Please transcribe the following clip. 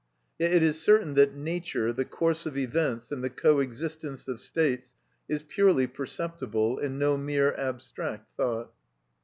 Yet it is certain that Nature, the course of events, and the coexistence of states, is purely perceptible, and no mere abstract thought.